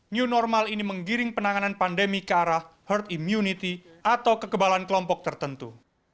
new normal ini menggiring penanganan pandemi ke arah herd immunity atau kekebalan kelompok tertentu